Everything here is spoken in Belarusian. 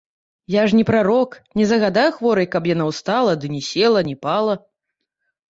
Я ж не прарок, не загадаю хворай, каб устала ды ні села, ні пала.